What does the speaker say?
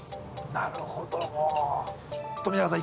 なるほど冨永さん